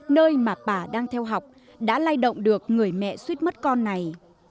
nơi mà bà đang theo học đã lay động được người mẹ suýt mất con này